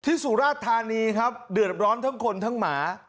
สุราชธานีครับเดือดร้อนทั้งคนทั้งหมา